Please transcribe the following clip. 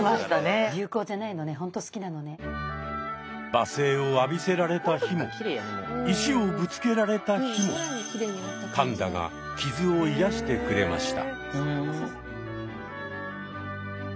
罵声を浴びせられた日も石をぶつけられた日もパンダが傷を癒やしてくれました。